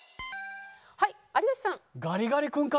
はい有吉さん。